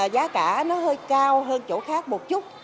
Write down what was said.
giá cả nó hơi cao hơn chỗ khác một chút